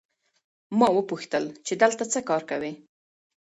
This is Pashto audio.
ما وپوښتل چې دلته څه کار کوې؟